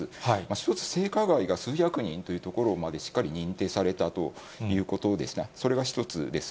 １つ、性加害が数百人というところまでしっかり認定されたということですね、それが１つです。